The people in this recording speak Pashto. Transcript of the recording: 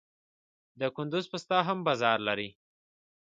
د کندز پسته هم بازار لري.